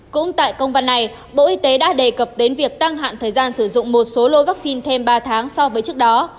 cũng tại công văn này bộ y tế đã đề cập đến việc tăng hạn thời gian sử dụng một số lô vaccine thêm ba tháng so với trước đó